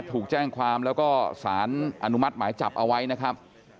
ถูกแจ้งความแล้วก็สารอนุมัติหมายจับเอาไว้นะครับ